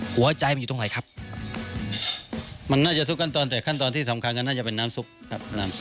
หัวใจมันอยู่ตรงไหนครับมันน่าจะทุกขั้นตอนแต่ขั้นตอนที่สำคัญก็น่าจะเป็นน้ำซุปครับน้ำซุป